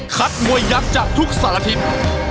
คัดมวยยักษ์จากทุกสันละทิตย์